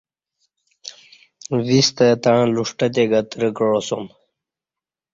وِ ستہ تݩع لُݜٹہ تے گترہ کعاسوم